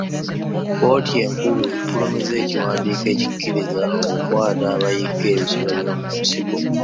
Kkooti enkulu efulumizza ekiwandiiko ekikkiriza okukwata abayigga ebisolo by'omu nsiko.